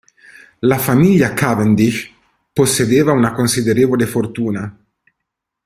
La famiglia Cavendish possedeva una considerevole fortuna.